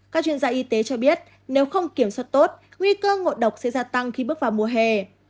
các chuyên gia y tế cho biết nếu không kiểm soát tốt nguy cơ ngộ độc sẽ gia tăng khi bước vào mùa hè